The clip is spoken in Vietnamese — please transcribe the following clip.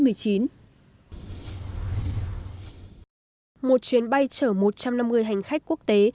một chuyến bay chở một trăm năm mươi hành khách quốc tế